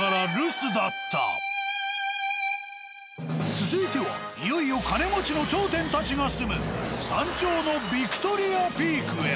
続いてはいよいよ金持ちの頂点たちが住む山頂のヴィクトリアピークへ。